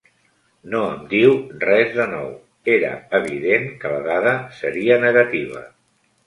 No em diu res de nou: era evident que la dada seria negativa.